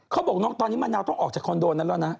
เขาบอกตอนนี้นางประกันตัวต้องออกจากคอนโดนนั้นล่ะนะ